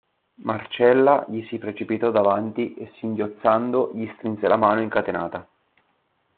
Marcella gli si precipitò davanti e singhiozzando gli strinse la mano incatenata.